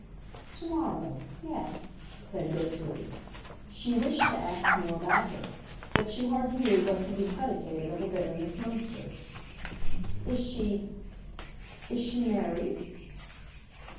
"Tomorrow, yes," said Gertrude. She wished to ask more about her; but she hardly knew what could be predicated of a Baroness Münster. "Is she—is she—married?"